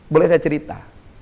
boleh saya cerita